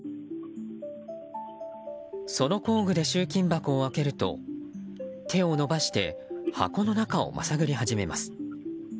その工具で集金箱を開けると手を伸ばして箱の中をまさぐり始めます。